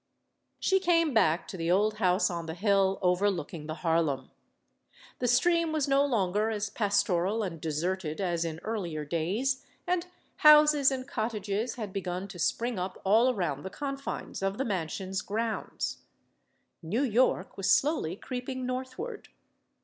She came back to the old house on the hill, over looking the Harlem. The stream was no longer as pastoral and deserted as in earlier days, and houses and cottages had begun to spring up all around the confines of the mansion's grounds. New York was slowly creeping northward.